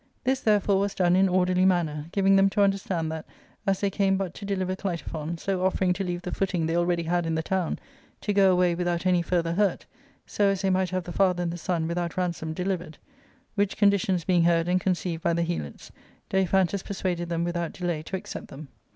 This, therefore, was done in orderly manner, giving them to understand that, as they came but to deliver Clitophon, so offering to leave the footing they already had in the town, to go away without any further hurt, so as they might have the father and, the...jSQa. without ransom uieliyered. Which conditions being heard and conceived by the Helots, Daiphantus persuaded them without delay to accept them.